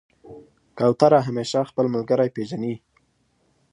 کوتره همیشه خپل ملګری پېژني.